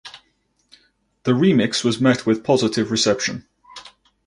The remix was met with positive reception.